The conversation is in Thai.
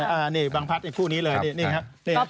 อันนี้บางพัดไอ้คู่นี้เลยนี่ครับ